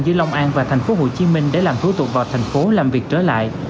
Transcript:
giữa long an và tp hcm để làm thủ tục vào thành phố làm việc trở lại